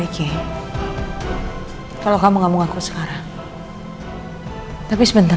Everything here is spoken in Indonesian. di saat waktunya sudah datang